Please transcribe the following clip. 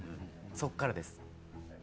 そっからです。